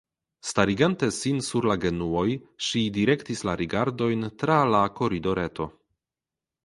Starigante sin sur la genuoj, ŝi direktis la rigardojn, tra la koridoreto.